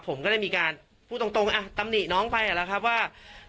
ผมก็ได้มีการพูดตรงตำหนิน้องไปแล้วครับว่า